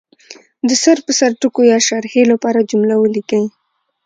د سر په سر ټکو یا شارحې لپاره جمله ولیکي.